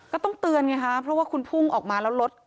ก็ต้องเตือนไงคะเพราะว่าคุณพุ่งออกมาแล้วรถ